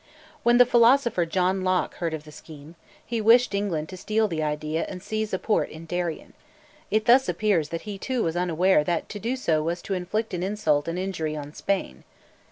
When the philosopher John Locke heard of the scheme, he wished England to steal the idea and seize a port in Darien: it thus appears that he too was unaware that to do so was to inflict an insult and injury on Spain.